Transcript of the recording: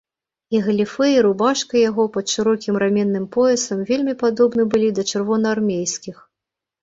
І галіфэ і рубашка яго пад шырокім раменным поясам вельмі падобны былі да чырвонаармейскіх.